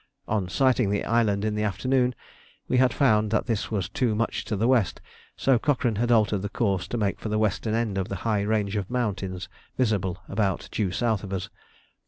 On sighting the island in the afternoon, we had found that this was too much to the west; so Cochrane had altered the course to make for the western end of the high range of mountains visible about due south of us.